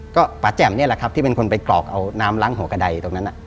ก็ป่าแจ่มนี่แหละครับที่เป็นคนไปกรอกเอาน้ำล้างหัวกระดายตรงนั้น